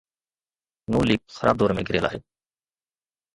نون ليگ خراب دور ۾ گهيريل آهي.